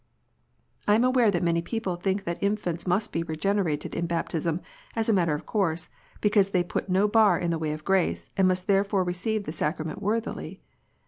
I am aware that many people think that infants must be regenerated in baptism, as a matter of course, because they put no bar in the way of grace, and must therefore receive the sacrament worthily.